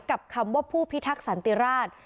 กับคำว่าผู้พิทักษณ์สันติราช